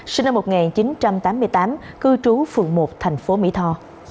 sinh năm một nghìn chín trăm tám mươi tám cư trú phường một thành phố mỹ tho